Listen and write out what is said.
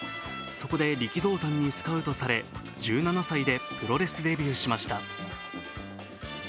そこで力道山にスカウトされ、１７歳でプロレスデビューしました。